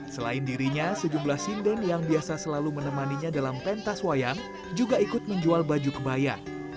selain dirinya sejumlah sinden yang biasa selalu menemaninya dalam pentas wayang juga ikut menjual baju kebaya